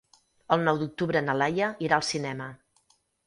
El nou d'octubre na Laia irà al cinema.